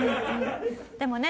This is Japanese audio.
でもね